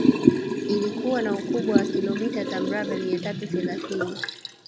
Ilikuwa na ukubwa wa kilomita za mraba mia tatu thelathini